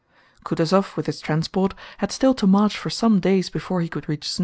Kutúzov with his transport had still to march for some days before he could reach Znaim.